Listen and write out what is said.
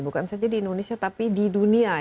bukan saja di indonesia tapi di dunia